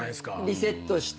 リセットして。